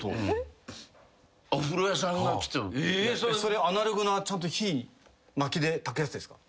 それアナログなちゃんと火まきでたくやつですか？